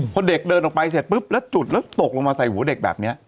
พอเด็กเดินออกไปเสร็จปุ๊บแล้วจุดแล้วตกลงมาใส่หัวเด็กแบบนี้